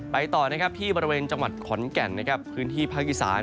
ต่อนะครับที่บริเวณจังหวัดขอนแก่นนะครับพื้นที่ภาคอีสาน